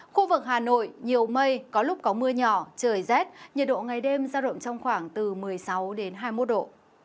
khu vực hà nội nhiều mây có lúc có mưa nhỏ trời rét nhiệt độ ngày đêm giao động trong khoảng từ một mươi sáu hai mươi một độ